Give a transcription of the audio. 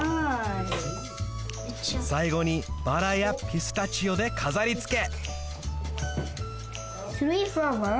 さいごにバラやピスタチオでかざりつけ！